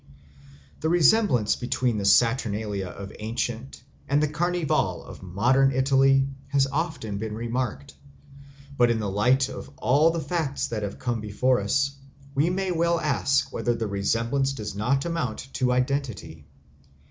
The resemblance between the Saturnalia of ancient and the Carnival of modern Italy has often been remarked; but in the light of all the facts that have come before us, we may well ask whether the resemblance does not amount to identity.